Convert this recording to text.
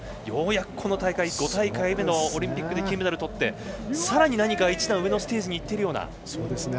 ようやく、この大会５大会めのオリンピックで金メダルをとってさらに何か一段上のステージに行っているような。